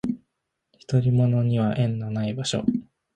独り者には縁のない場所